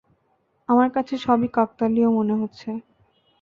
আমার কাছে সবই কাকতালীয় মনে হচ্ছে।